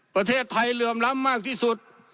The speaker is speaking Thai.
ประเทศไทยเหลื่อมล้ำมากที่สุด